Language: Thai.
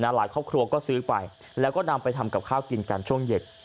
หลายครอบครัวก็ซื้อไปแล้วก็นำไปทำกับข้าวกินกันช่วงเย็น